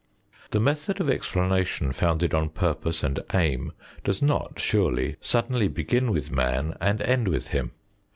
The method of explanation founded on purpose and aim does not, surely, suddenly begin with man and end with him.